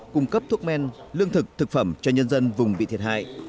cung cấp thuốc men lương thực thực phẩm cho nhân dân vùng bị thiệt hại